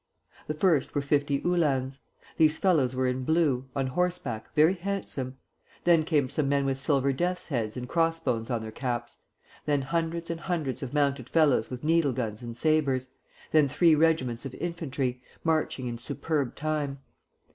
The first were fifty Uhlans. These fellows were in blue, on horseback, very handsome. Then came some men with silver death's heads and crossbones on their caps; then hundreds and hundreds of mounted fellows with needle guns and sabres; then three regiments of infantry, marching in superb time.